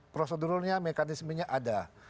prosedurnya mekanismenya ada